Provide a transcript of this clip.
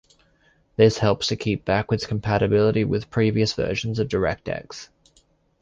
This helps to keep backwards compatibility with previous versions of DirectX.